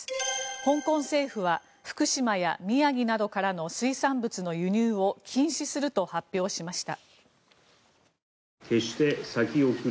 香港政府は福島や宮城などからの水産物の輸入を禁止すると発表しました。